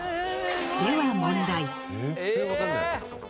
では問題。